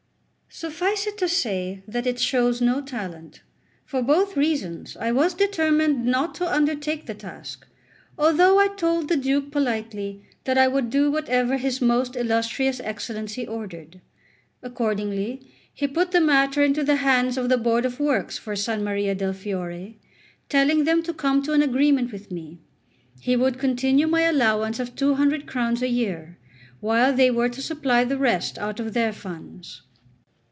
Suffice it to say that it shows no talent. For both reasons I was determined not to undertake the task, although I told the Duke politely that I would do whatever his most illustrious Excellency ordered. Accordingly, he put the matter into the hands of the Board of Works for S. Maria del Fiore, telling them to come to an agreement with me; he would continue my allowance of two hundred crowns a year, while they were to supply the rest out of their funds.